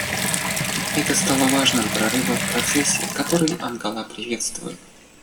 Это стало важным прорывом в процессе, который Ангола приветствует.